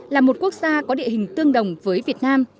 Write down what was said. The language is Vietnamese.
là một quốc gia có địa hình tương đồng với việt nam